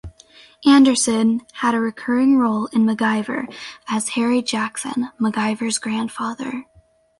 Anderson had a recurring role in "MacGyver" as Harry Jackson, MacGyver's grandfather.